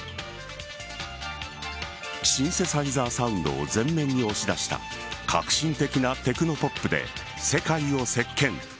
シンセサイザーサウンドを前面に押し出した革新的なテクノポップで世界を席巻。